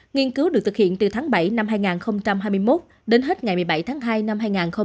nghiên cứu được thực hiện từ tháng bảy năm hai nghìn hai mươi một đến hết ngày một mươi bảy tháng hai năm hai nghìn hai mươi